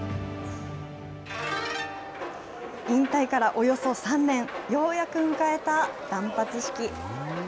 引退からおよそ３年、ようやく迎えた断髪式。